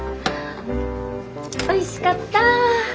おいしかった！